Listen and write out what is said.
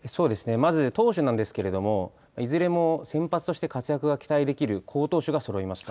まず、投手なんですけれども、いずれも先発として活躍が期待できる好投手がそろいました。